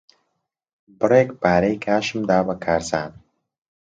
بڕێک پارەی کاشم دا بە کارزان.